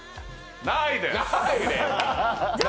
ないです！